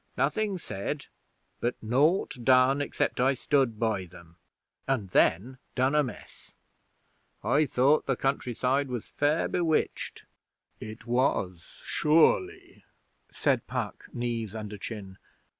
Nothing said, but naught done except I stood by them, and then done amiss. I thought the countryside was fair bewitched.' 'It was, sure ly,' said Puck, knees under chin.